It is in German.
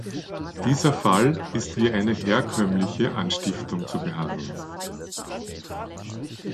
Dieser Fall ist wie eine herkömmliche Anstiftung zu behandeln.